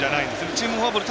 チームフォアボール